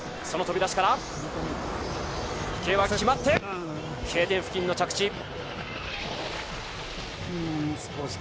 その飛び出しから、Ｋ点付近の着地。